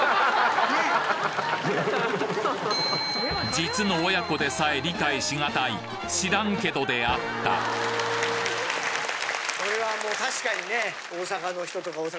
実の親子でさえ理解しがたい「知らんけど」であったこれはもう確かにね大阪の人とか。